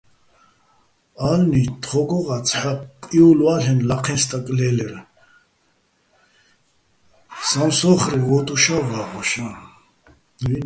ა́ლნი თხო́გღა ცჰ̦ა ყიოლვა́ლ'ენო̆ ლაჴეჼ სტაკ ლე́ლერ სამსო́ხრე ვოტუშა́, ვაღოშა́.